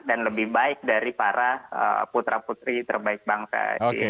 dan lebih baik dari para putra putri terbaik bangsa di indonesia ini